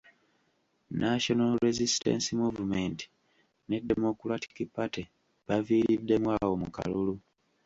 National Resistance Movement ne Democractic Party baviiriddemu awo mu kalulu.